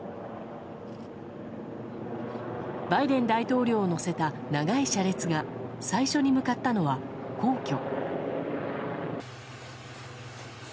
バイデン大統領を乗せた長い車列が最初に向かったのは皇居。